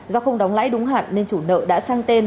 do không đóng lãi đúng hạn nên chủ nợ đã sang tên